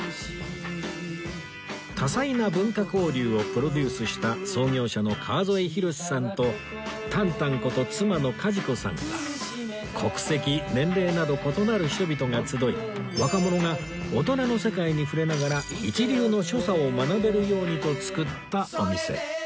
多彩な文化交流をプロデュースした創業者の川添浩史さんとタンタンこと妻の梶子さんが国籍・年齢など異なる人々が集い若者が大人の世界に触れながら一流の所作を学べるようにと作ったお店